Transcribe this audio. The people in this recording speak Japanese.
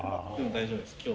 大丈夫です。